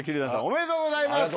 ありがとうございます。